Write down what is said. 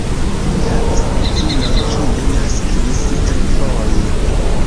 Li havis edzinon, kiu naskis trifoje.